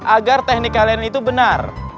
agar teknik kalian itu benar